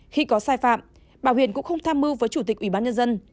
khi có sai phạm bà huyền cũng không tham mưu với chủ tịch ủy ban nhân dân